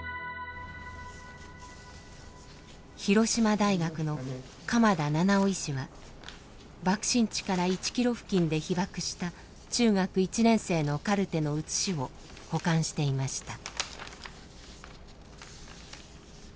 広島大学の鎌田七男医師は爆心地から１ｋｍ付近で被爆した中学１年生のカルテの写しを保管していました。